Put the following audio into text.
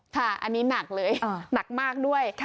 ค่ะอันนี้หนักเลยหนักมากด้วย